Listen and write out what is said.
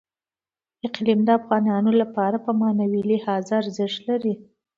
اقلیم د افغانانو لپاره په معنوي لحاظ ارزښت لري.